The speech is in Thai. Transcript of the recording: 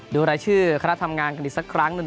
ดูรายชื่อคณะทำงานกันอีกสักครั้ง